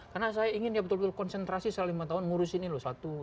karena saya ingin ya betul betul konsentrasi selama lima tahun ngurus ini loh satu dua tiga empat